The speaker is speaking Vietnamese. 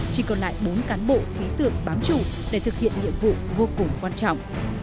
chỉ còn lại bốn cán bộ khí tượng bám trụ để thực hiện nhiệm vụ vô cùng quan trọng